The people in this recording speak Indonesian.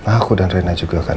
aku dan rena juga kan